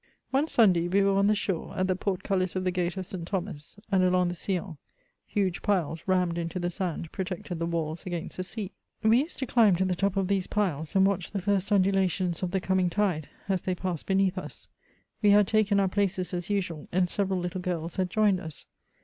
One Sunday we were on the shore, at the portcullis of the gate of St. Thomas, and along the Sillon ; huge piles, rammed into the sand, protected the walls against the sea. We used to climb to the top of these piles, and watch the first undular tions of the coming tide, as they passed beneath us. We had taken our places as usual, and several little girls had joined us.